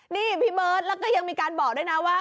นี่พี่เบิร์ตแล้วก็ยังมีการบอกด้วยนะว่า